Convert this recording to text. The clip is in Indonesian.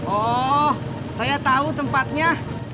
oh saya tahu tempatnya